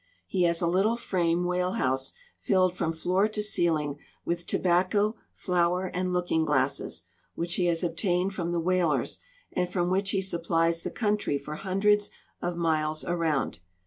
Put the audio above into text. He has a little frame whale house filled from floor to ceiling with tobacco, flour, and looking glasses, which he has obtained from the whalers and from which he sui)plies the country for hun dreds of miles around.